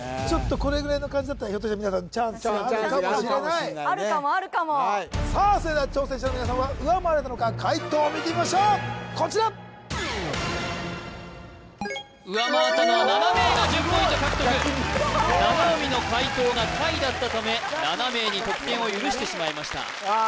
これぐらいの感じだったらひょっとして皆さんチャンスがくるかもしれないチャンスかもあるかもあるかもさあそれでは挑戦者の皆さんは上回れたのか解答を見てみましょうこちら上回ったのは７名が１０ポイント獲得七海の解答が下位だったため７名に得点を許してしまいました恥ずかしい恥ずかしい